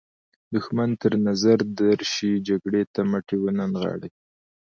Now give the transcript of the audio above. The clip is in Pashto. دښمن تر نظر درشي جګړې ته مټې ونه نغاړئ.